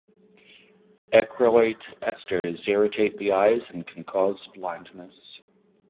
Acrylate esters irritate the eyes and can cause blindness.